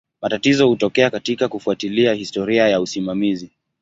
Matatizo hutokea katika kufuatilia historia ya usimamizi.